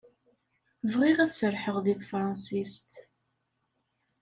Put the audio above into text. Bɣiɣ ad serrḥeɣ deg tefṛensist.